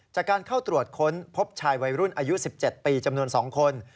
จากการเข้าตรวจค้นพบชายวัยรุ่นอายุ๑๗ปีจำนวน๒คน